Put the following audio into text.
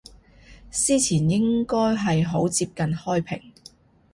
司前應該係好接近開平